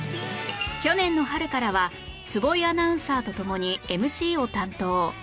去年の春からは坪井アナウンサーと共に ＭＣ を担当